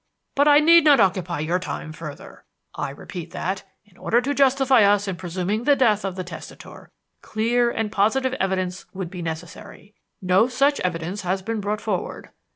"But I need not occupy your time further. I repeat that, in order to justify us in presuming the death of the testator, clear and positive evidence would be necessary. That no such evidence has been brought forward.